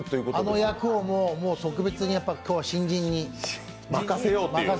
あの役を特別に今日は新人に任せようという。